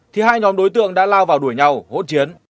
thì hai nhóm đối tượng đã lao vào đuổi nhau hỗn chiến